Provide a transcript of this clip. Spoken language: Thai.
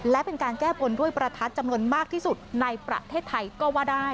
และเป็นการแก้บนด้วยประทัดจำนวนมากที่สุดในประเทศไทยก็ว่าได้